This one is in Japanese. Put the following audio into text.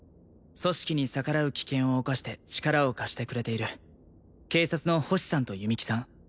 組織に逆らう危険を冒して力を貸してくれている警察の星さんと弓木さん